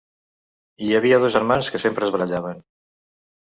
Hi havia dos germans que sempre es barallaven.